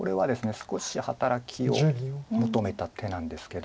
少し働きを求めた手なんですけど。